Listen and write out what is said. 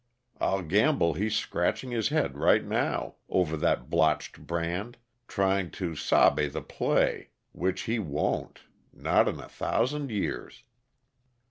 I'll gamble he's scratching his head, right now, over that blotched brand, trying to sabe the play which he won't, not in a thousand years!"